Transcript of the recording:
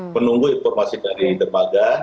menunggu informasi dari dermaga